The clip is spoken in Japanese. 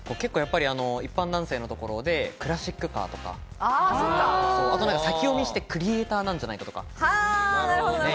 一般男性のところでクラシックカーとか、先読みしてクリエイターなんじゃないかとか。